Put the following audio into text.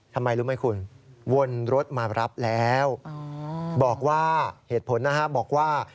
ทำไมรู้ไหมคุณวนรถมารับแล้วบอกว่าเหตุผลนะฮะบอกว่า